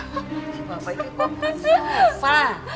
bapak itu kok sama sama